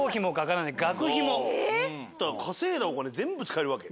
稼いだお金全部使えるわけ。